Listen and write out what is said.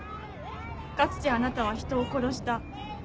かつてあなたは人を殺した。